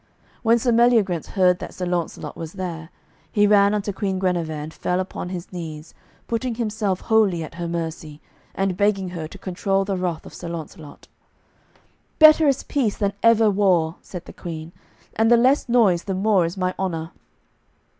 When Sir Meliagrance heard that Sir Launcelot was there, he ran unto Queen Guenever and fell upon his knees, putting himself wholly at her mercy, and begging her to control the wrath of Sir Launcelot. "Better is peace than ever war," said the Queen, "and the less noise the more is my honour."